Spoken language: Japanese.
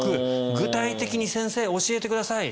具体的に先生、教えてください。